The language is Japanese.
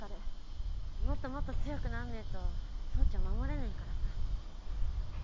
もっともっと強くなんねえと総長守れねえからさ。